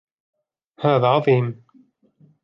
هذا عظيم!